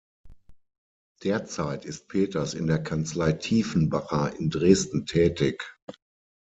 Derzeit ist Peters in der Kanzlei Tiefenbacher in Dresden tätig.